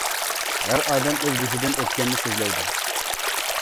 ھەر ئادەم ئۆز بېشىدىن ئۆتكەننى سۆزلەيدۇ.